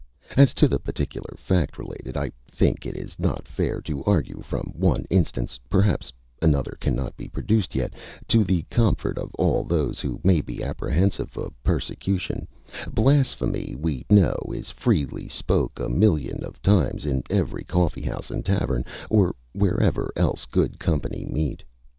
As to the particular fact related, I think it is not fair to argue from one instance, perhaps another cannot be produced: yet (to the comfort of all those who may be apprehensive of persecution) blasphemy we know is freely spoke a million of times in every coffee house and tavern, or wherever else good company meet.